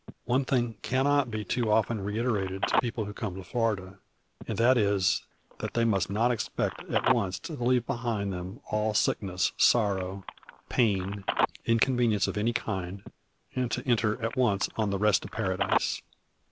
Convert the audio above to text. One thing cannot be too often reiterated to people who come to Florida; and that is, that they must not expect at once to leave behind them all sickness, sorrow, pain, inconvenience of any kind, and to enter at once on the rest of paradise.